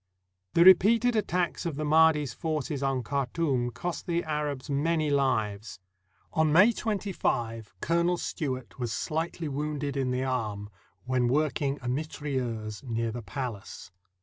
The repeated attacks of the Mahdi's forces on Khar toum cost the Arabs many fives. On May 25, Colonel Stewart was sfightly wounded in the arm, when work ing a mitrailleuse near the palace.